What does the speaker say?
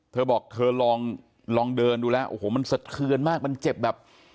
เธอบอกเธอลองเดินดูแล้วโอ้โหมันสะเทือนมากมันเจ็บแบบ